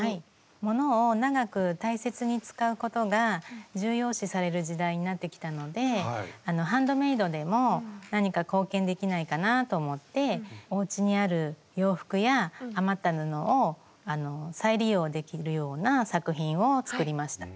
ものを長く大切に使うことが重要視される時代になってきたのでハンドメイドでも何か貢献できないかなと思っておうちにある洋服や余った布を再利用できるような作品を作りました。